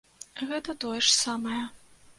Гэта тое ж самае.